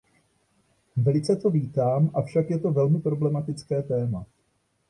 Velice to vítám, avšak je to velmi problematické téma.